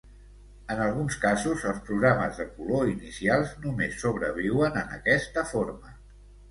En alguns casos, els programes de color inicials només sobreviuen en aquesta forma.